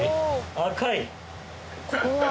赤い！